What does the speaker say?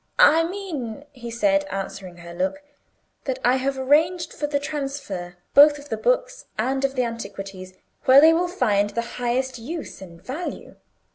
"I mean," he said, answering her look, "that I have arranged for the transfer, both of the books and of the antiquities, where they will find the highest use and value.